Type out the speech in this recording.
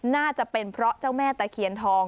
น่าจะเป็นเพราะเจ้าแม่ตะเคียนทอง